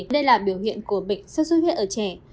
đây là biểu hiện của bệnh sốt xuất huyết ở trẻ